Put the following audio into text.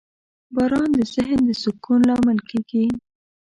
• باران د ذهن د سکون لامل کېږي.